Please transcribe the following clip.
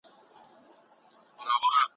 که چارې ثمر ته ورسیږي ګټه به وکړو.